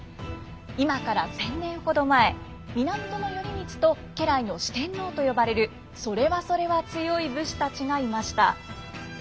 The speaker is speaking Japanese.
今から１，０００年ほど前源頼光と家来の四天王と呼ばれるそれはそれは強い武士たちがいました。